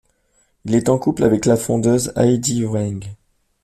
Il est en couple avec la fondeuse Heidi Weng.